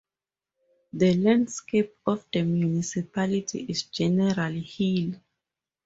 The landscape of the municipality is generally hilly.